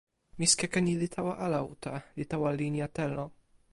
misikeke ni li tawa ala uta, li tawa linja telo.